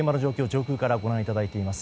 上空からご覧いただいています。